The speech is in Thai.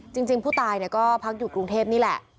จริงผู้ตายก็พักอยู่กรุงเทพนี่แหละ